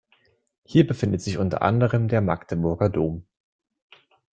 Hier befindet sich unter anderem der Magdeburger Dom.